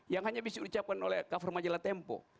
yang hanya bisa diucapkan oleh cover majalah tempo